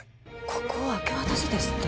ここを明け渡せですって？